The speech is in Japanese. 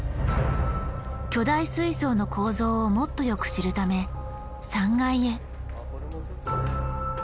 巨大水槽の構造をもっとよく知るため３階へ。